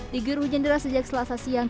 digiruh hujan deras sejak selasa siang